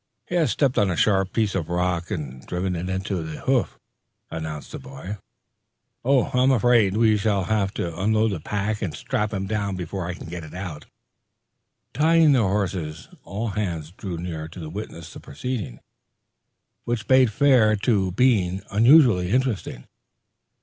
"He has stepped on a sharp piece of rock and driven it into the hoof," announced the boy. "I am afraid we shall have to unload the pack and strap him down before I can get it out." Tying their horses, all hands drew near to witness the proceeding, which bade fair to be unusually interesting.